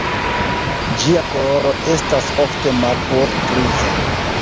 Ĝia koloro estas ofte malpur-griza.